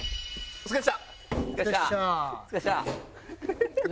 お疲れっした。